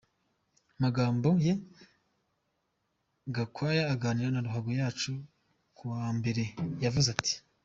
Mu magambo ye Gakwaya aganira na Ruhagoyacu kuwa Mbere yaravuze ati.